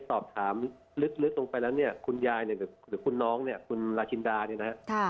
ก็น่าจะส่งนานแล้วนะครับ